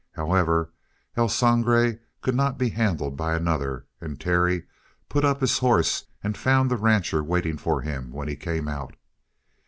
However, El Sangre could not be handled by another, and Terry put up his horse and found the rancher waiting for him when he came out.